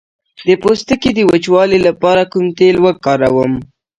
د پوستکي د وچوالي لپاره کوم تېل وکاروم؟